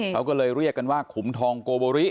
เขาก็เลยเรียกกันว่าขุมทองโกโบริ